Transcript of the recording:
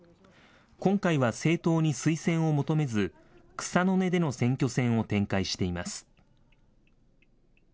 今回は政党に推薦を求めず、草の根での選挙戦を展開しています。